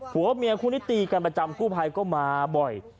หัวเมียคู่นี้ตีกันประจำกู้ภัยก็มาบ่อย